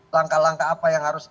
langkah langkah apa yang harus